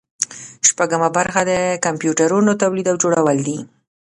شپږمه برخه د کمپیوټرونو تولید او جوړول دي.